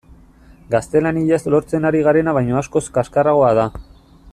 Gaztelaniaz lortzen ari garena baino askoz kaxkarragoa da.